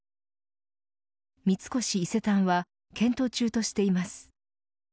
三越・伊勢丹は検討中としています。